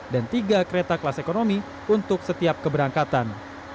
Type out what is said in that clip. dan tiga kereta kelas ekonomi untuk setiap keberangkatan